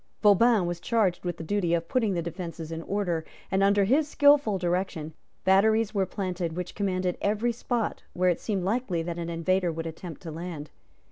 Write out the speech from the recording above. Vauban was charged with the duty of putting the defences in order; and, under his skilful direction, batteries were planted which commanded every spot where it seemed likely that an invader would attempt to land.